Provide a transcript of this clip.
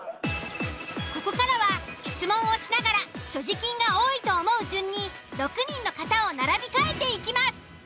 ここからは質問をしながら所持金が多いと思う順に６人の方を並び替えていきます。